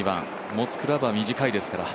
持つクラブは短いですが。